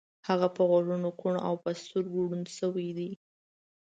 هغه په غوږو کوڼ او په سترګو ړوند شوی دی